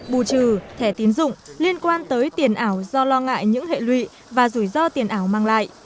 bù trừ thẻ tiến dụng liên quan tới tiền ảo do lo ngại những hệ lụy và rủi ro tiền ảo mang lại